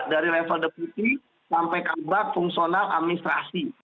dari level deputi sampai kabar fungsional administrasi